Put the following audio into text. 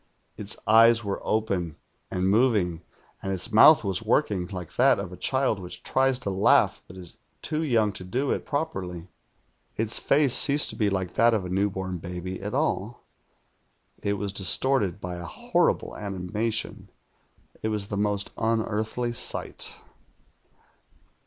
Its eyes were open and moving, and its mouth was working, like that of a child which tries to laugh but is too young to do it properly. Its face ceased to be like that of a new born baby at all. It was distorted by a horrible animation. It was the most unearthly sight.